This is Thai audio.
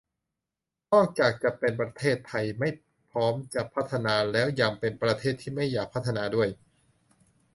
นอกจากจะเป็นประเทศไม่พร้อมจะพัฒนาแล้วยังเป็นประเทศที่ไม่อยากพัฒนาด้วย